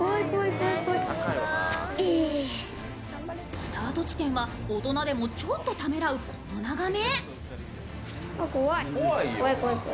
スタート地点は大人でもちょっとためらうこの眺め。